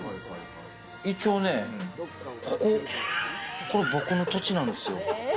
一応ね、ここ、これ僕の土地なんですよ。